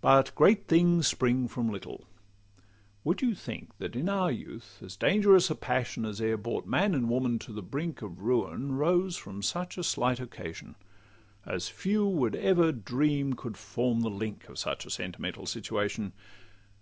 But great things spring from little:—Would you think, That in our youth, as dangerous a passion As e'er brought man and woman to the brink Of ruin, rose from such a slight occasion, As few would ever dream could form the link Of such a sentimental situation?